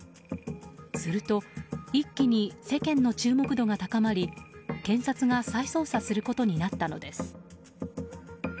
すると一気に世間の注目度が高まり検察が再捜査することになったのです。